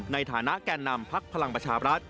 ในฐานะแก่นำพักพลังประชาบรัฐ